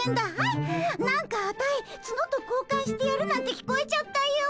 なんかアタイツノと交換してやるなんて聞こえちゃったよ。